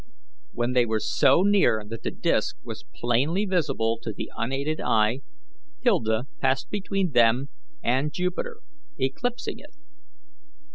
When they were so near that the disk was plainly visible to the unaided eye, Hilda passed between them and Jupiter, eclipsing it.